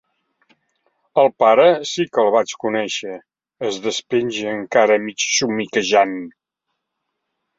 Al pare sí que el vaig conèixer —es despenja, encara mig somiquejant—.